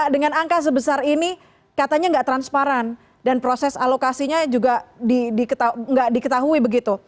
dengan angka sebesar ini katanya nggak transparan dan proses alokasinya juga nggak diketahui begitu